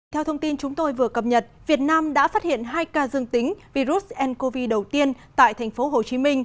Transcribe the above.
theo thông tin chúng tôi vừa cập nhật việt nam đã phát hiện hai ca dương tính virus ncov đầu tiên tại tp hcm